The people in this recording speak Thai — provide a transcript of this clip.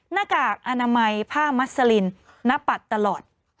นักกากอนามัยผ้ามัสซาลินนับปัดตลอด